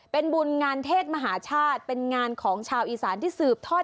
เป็นบุญงานเทศมหาชาติเป็นงานของชาวอีสานที่สืบทอด